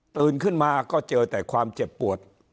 ขึ้นมาก็เจอแต่ความเจ็บปวด